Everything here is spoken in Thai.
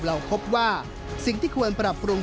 เราพบว่าสิ่งที่ควรปรับปรุง